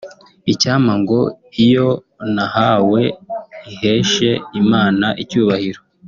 Icyampa ngo iyo nahawe iheshe Imana icyubahiro